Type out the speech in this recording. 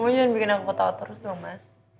kamu jangan bikin aku ketawa terus dong mas